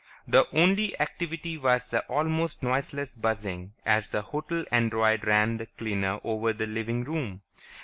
The only activity was the almost noiseless buzzing as the hotel android ran the cleaner over the living room.